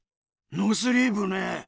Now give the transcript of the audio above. ノースリーブね。